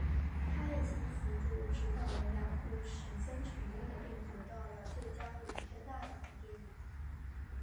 他也曾辅助执导了两部十分成功的并得到最佳影片大奖的电影。